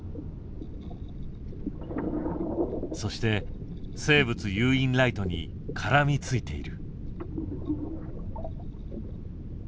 そして生物誘引ライトに絡みついている。